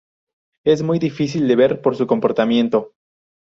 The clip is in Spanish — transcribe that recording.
Es muy difícil de ver por su comportamiento.